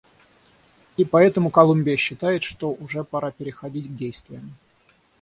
И поэтому Колумбия считает, что уже пора переходить к действиям.